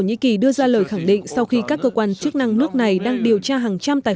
thổ nhĩ kỳ đưa ra lời khẳng định sau khi các cơ quan chức năng nước này đang điều tra hàng trăm tài